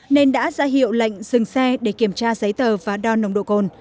nên đã ra hiệu lệnh dừng xe để kiểm tra giấy tờ và đo nồng độ cồn